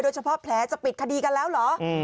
เฉพาะแผลจะปิดคดีกันแล้วเหรอ